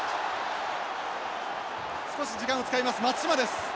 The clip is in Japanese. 少し時間を使います松島です。